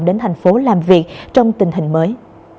đến thành phố làm việc trong tình hình mới